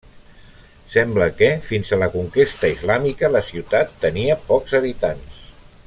Sembla que, fins a la conquesta islàmica, la ciutat tenia pocs habitants.